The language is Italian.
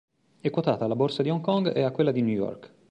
È quotata alla borsa di Hong Kong e a quella di New York.